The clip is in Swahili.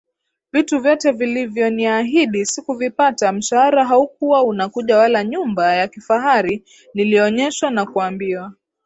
vitu vyote walivyoniahidi sikuvipata Mshahara haukuwa unakuja wala nyumba ya kifahari nilioonyeshwa na kuambiwa